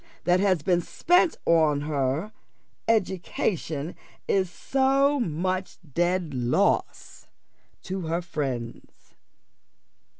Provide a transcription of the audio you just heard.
that has been spent upon her education is so much dead loss to her friends.